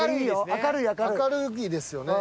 明るいですよね。